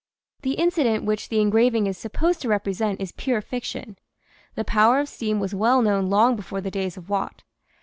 The incident which the engraving is supposed to repre sent is pure fiction. The power of steam was well known long before the days of Watt.